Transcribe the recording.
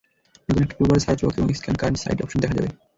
নতুন একটা টুলবারে সার্চ বক্স এবং স্ক্যান কারেন্ট সাইট অপশন দেখা যাবে।